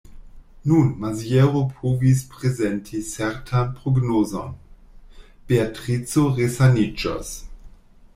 Nun Maziero povis prezenti certan prognozon: Beatrico resaniĝos.